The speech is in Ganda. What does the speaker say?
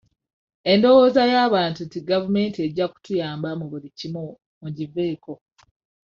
Endowooza y'abantu nti gavumenti ejja kutuyamba mu buli kimu mugiveeko.